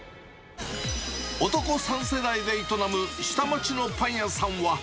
男３世代で営む下町のパン屋さんは。